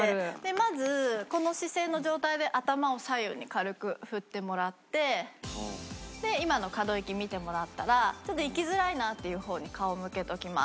まずこの姿勢の状態で頭を左右に軽く振ってもらって今の可動域を見てもらったらちょっと行きづらいなっていう方に顔を向けておきます。